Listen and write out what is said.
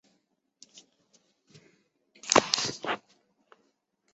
乾隆二十八年升广西提督。